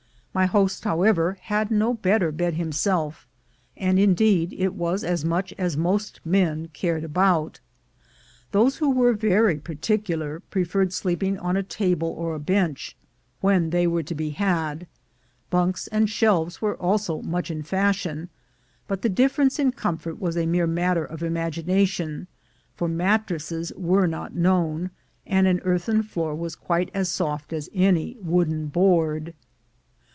My host, however, had no better bed himself, and indeed it was as much as most men cared about. Those who were very particular preferred sleeping on a table or a bench when they were to be had ; bunks and shelves were also much in fashion ; but the difference in comfort was a mere matter of imagi nation, for mattresses were not known, and an earthen floor was quite as soft as any wooden board.